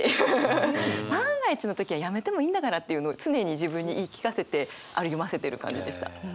万が一の時はやめてもいいんだからっていうのを常に自分に言い聞かせて歩ませてる感じでした。